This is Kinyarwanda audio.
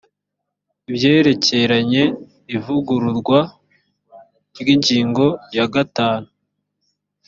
ibyerekeranye ivugururwa ry’ingingo ya gatanu